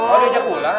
oh diajak bulan